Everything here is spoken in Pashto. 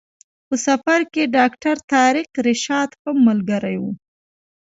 په سفر کې ډاکټر طارق رشاد هم ملګری و.